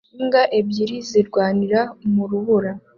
Imbwa ebyiri zirwanira mu rubura